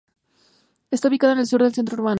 Está ubicada al sur del centro urbano.